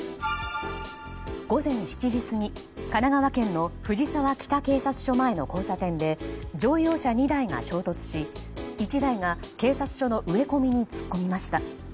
午前７時過ぎ、神奈川県の藤沢北警察署前の交差点で乗用車２台が衝突し、１台が警察署の植え込みに突っ込みました。